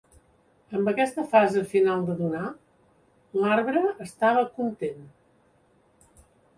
Amb aquesta fase final de donar, "l"arbre estava content".